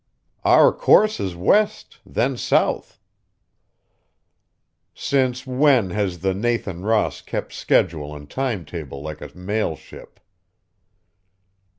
"Our course is west, then south." "Since when has the Nathan Ross kept schedule and time table like a mail ship?"